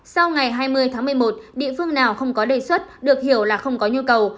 sau ngày hai mươi tháng một mươi một địa phương nào không có đề xuất được hiểu là không có nhu cầu